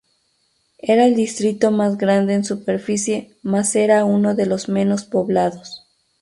Era el distrito más grande en superficie mas era uno de los menos poblados.